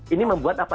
ini membuat apa